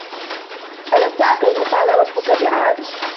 أَلَم تَرَ كَيفَ فَعَلَ رَبُّكَ بِعادٍ